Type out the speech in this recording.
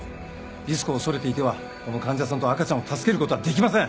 リスクを恐れていてはこの患者さんと赤ちゃんを助ける事はできません！